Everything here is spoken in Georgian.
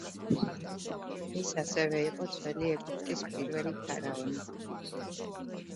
ის ასევე იყო ძველი ეგვიპტის პირველი ფარაონი.